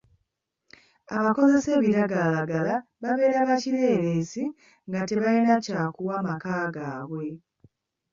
Abakozesa ebiragalalagala babeera ba kireereese nga tebayina kyakuwa maka gaabwe.